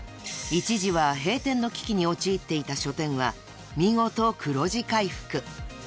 ［一時は閉店の危機に陥っていた書店は見事黒字回復］